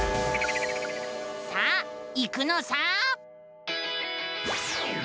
さあ行くのさ！